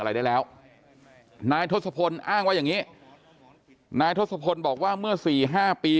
อะไรได้แล้วนายทศพลอ้างว่าอย่างนี้นายทศพลบอกว่าเมื่อสี่ห้าปี